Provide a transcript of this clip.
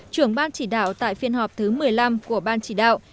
trưởng ban chỉ đạo tại phiên họp thứ một mươi năm của ban chỉ đạo